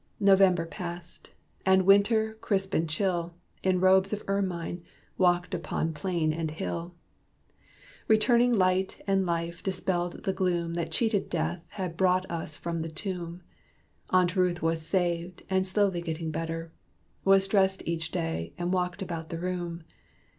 November passed; and Winter, crisp and chill, In robes of ermine walked on plain and hill. Returning light and life dispelled the gloom That cheated Death had brought us from the tomb. Aunt Ruth was saved, and slowly getting better Was dressed each day, and walked about the room.